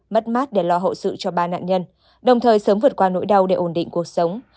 mất mát để lo hậu sự cho ba nạn nhân đồng thời sớm vượt qua nỗi đau để ổn định cuộc sống